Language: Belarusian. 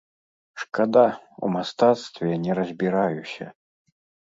Шкада, у мастацтве не разбіраюся.